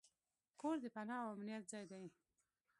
کور د پناه او امنیت ځای دی.